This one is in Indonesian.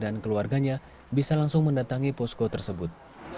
dan keluarganya bisa langsung mendatangi posko tersebut